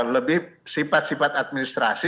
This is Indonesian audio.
lebih sifat sifat administrasi